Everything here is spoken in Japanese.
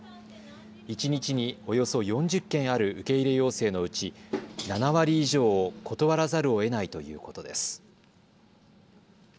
一日におよそ４０件ある受け入れ要請のうち７割以上を断らざるをえないということです。